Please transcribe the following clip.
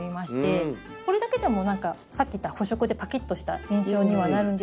これだけでも何かさっき言った補色でパキッとした印象にはなるんですけど。